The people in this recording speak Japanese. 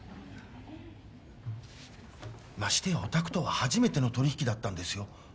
ましてやお宅とは初めての取引だったんですよ